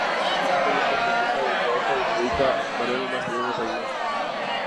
Dicho cambio fue a propuesta del poeta y periodista Manuel Macedonio Reynoso.